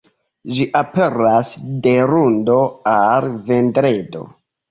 Ĝi aperas de lundo al vendredo.